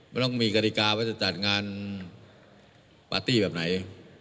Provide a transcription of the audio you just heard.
มันต้องมีกฎิกาว่าจะจัดงานปาร์ตี้แบบไหน